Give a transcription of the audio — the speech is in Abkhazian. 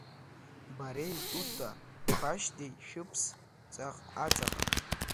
Бареи Тута қәашьдеи шәыԥс аҵаҟа!